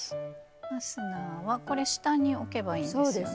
ファスナーはこれ下に置けばいいんですね？